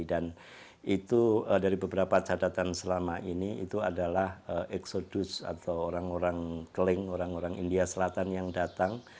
dan itu dari beberapa catatan selama ini itu adalah eksodus atau orang orang keling orang orang india selatan yang datang